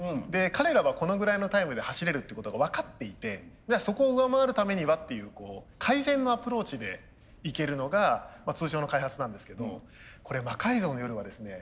彼らはこのぐらいのタイムで走れるっていうことが分かっていてそこを上回るためにはっていう改善のアプローチでいけるのが通常の開発なんですけどこれ「魔改造の夜」はですね